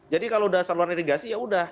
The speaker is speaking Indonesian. jadi kalau sudah saluran irigasi ya sudah